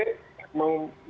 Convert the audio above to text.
kita ini jangan sampai